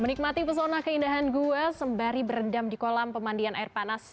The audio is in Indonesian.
menikmati pesona keindahan gua sembari berendam di kolam pemandian air panas